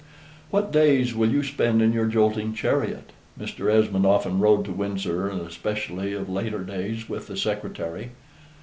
What days will you spend in your jolting chariot." (Mr. Esmond often rode to Windsor, and especially, of later days, with the secretary.)